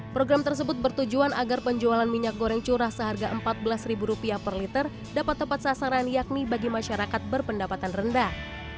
program tersebut bertujuan agar penjualan minyak goreng curah seharga rp empat belas per liter dapat tepat sasaran yakni bagi masyarakat berpendapatan rendah